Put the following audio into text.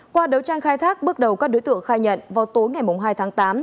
qua đấu tranh khai thác bước đầu các đối tượng khai nhận vào tối ngày hai tháng tám